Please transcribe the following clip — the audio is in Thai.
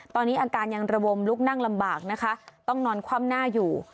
ตอนนี้อาการยังระบมลุกนั่งลำบากนะคะต้องนอนคว่ำหน้าอยู่